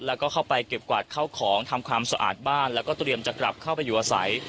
แล้วก็เข้าไปเก็บกวาดเข้าของทำความสะอาดบ้านแล้วก็เตรียมจะกลับเข้าไปอยู่อาศัย